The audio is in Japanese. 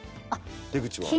出口は。